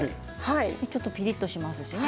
ちょっとピリっとしますね